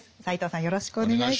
よろしくお願いします。